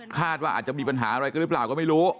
คาดว่าอาจจะมีปัญหาอะไรกันหรือเปล่าก็ไม่รู้